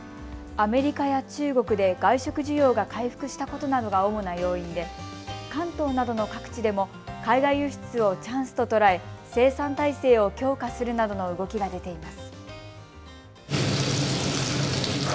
アメリカや中国で外食需要が回復したことなどが主な要因で関東などの各地でも海外輸出をチャンスと捉え生産体制を強化するなどの動きが出ています。